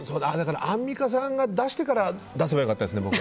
アンミカさんが出してから出せば良かったですね。